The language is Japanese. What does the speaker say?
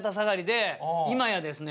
今やですね